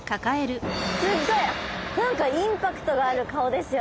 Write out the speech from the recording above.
すっごい何かインパクトがある顔ですよね。